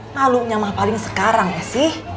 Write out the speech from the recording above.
malu nyamah paling sekarang esi